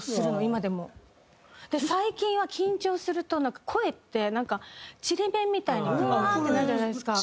最近は緊張するとなんか声ってちりめんみたいに「ワー」ってなるじゃないですか。